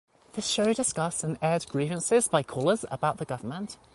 This show discussed and aired grievances by callers about the government.